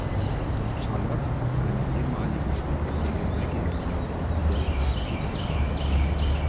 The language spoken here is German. Charlotte, eine ehemalige Schulfreundin Maggies, gesellt sich zu dem Kreis.